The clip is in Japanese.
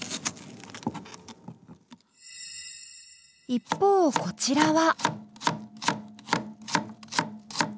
一方こちらは。